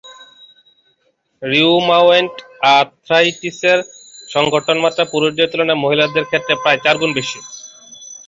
Rheumatoid আর্থ্রাইটিসের সংঘটন মাত্রা পুরুষদের তুলনায় মহিলাদের ক্ষেত্রে প্রায় চার গুণ বেশি।